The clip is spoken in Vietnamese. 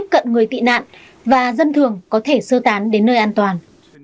cận người tị nạn và dân thường có thể sơ tán đến nơi an toàn